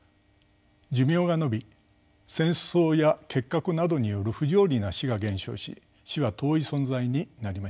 寿命が延び戦争や結核などによる不条理な死が減少し死は遠い存在になりました。